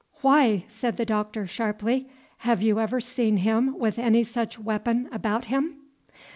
"Why," said the Doctor, sharply, "have you ever seen him with any such weapon about him?"